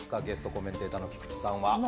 ゲストコメンテーターの菊地さんは。